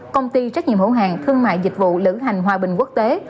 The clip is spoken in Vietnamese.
công ty trách nhiệm hữu hàng thương mại dịch vụ lữ hành hòa bình quốc tế